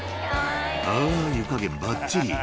あー、湯加減ばっちり。